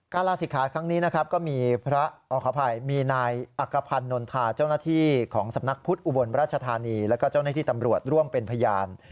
การลาศิกขาทันทีครั้งนี้ก็มีพระออกภัยมีนายอักพรรณนทาเจ้าหน้าที่ของสำนักพุทธอุบลราชธานีและเจ้าหน้าที่ตำรวจร่วมเป็นพยาน